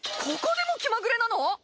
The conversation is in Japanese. ここでも気まぐれなの！？